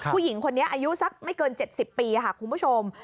ผู้หญิงคนนี้อายุสักไม่เกิน๗๐ปีค่ะคุณผู้ชม